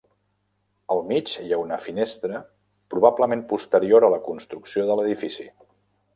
Al mig hi ha una finestra probablement posterior a la construcció de l'edifici.